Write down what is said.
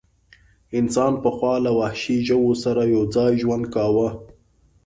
انسانانو پخوا له وحشي ژوو سره یو ځای ژوند کاوه.